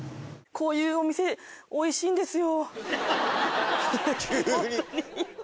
こういうお店おいしいんですよ。